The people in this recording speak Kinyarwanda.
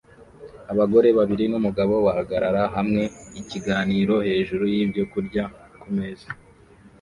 Abagore babiri numugabo bahagarara hamwe ikiganiro hejuru yibyo kurya kumeza